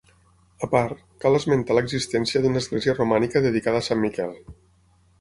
A part, cal esmentar l'existència d'una església romànica dedicada a Sant Miquel.